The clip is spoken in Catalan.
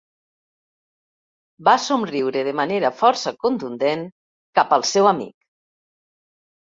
Va somriure de manera força contundent cap al seu amic.